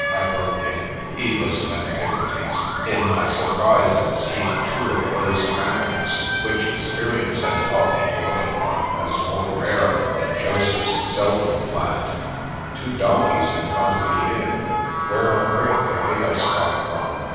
" I broke in, heedless of antiquities, in my surprise at seeing two of those animals which experience had taught me to look upon as more rare than Joseph's "seldom plant." " Two donkeys in front of the inn. Where on earth can they have sprung from?